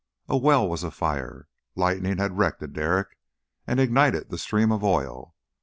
A well was afire! Lightning had wrecked a derrick and ignited the stream of oil.